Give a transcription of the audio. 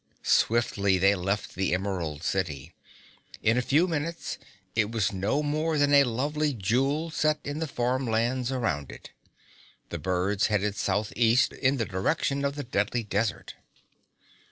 Swiftly they left the Emerald City. In a few minutes it was no more than a lovely jewel set in the farmlands around it. The birds headed southeast in the direction of the Deadly Desert.